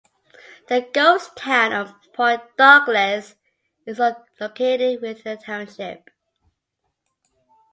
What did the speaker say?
The ghost town of Point Douglas is located within the township.